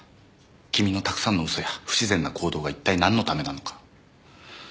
君のたくさんの嘘や不自然な行動は一体なんのためなのか。